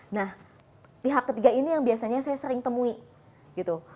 nah pihak ketiga ini yang biasanya saya sering temui gitu